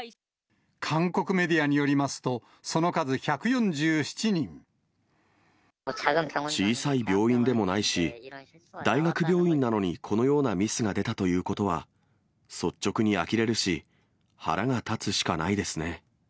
韓国メディアによりますと、小さい病院でもないし、大学病院なのに、このようなミスが出たということは、率直にあきれるし、腹が立つ